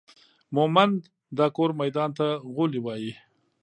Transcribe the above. مومند دا کور ميدان ته غولي وايي